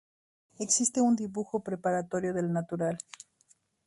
Existe un dibujo preparatorio del natural.